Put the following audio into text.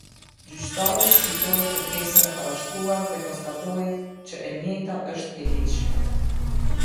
Gjyqtari shqyrtoi kërkesën e parashtruar dhe konstatoi, që e njëjta është e ligjshme.